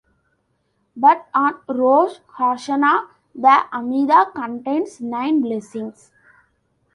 But on Rosh Hashanah, the Amidah contains nine blessings.